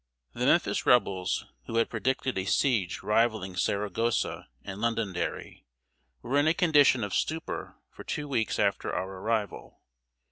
The Memphis Rebels, who had predicted a siege rivaling Saragossa and Londonderry, were in a condition of stupor for two weeks after our arrival.